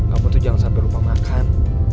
kamu tuh jangan sampe lupa makan